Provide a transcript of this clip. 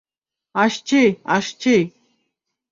আসছি, আসছি।